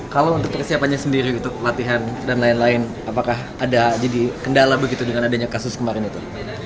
kalau untuk persiapannya sendiri gitu latihan dan lain lain apakah ada jadi kendala begitu dengan adanya kasus kemarin itu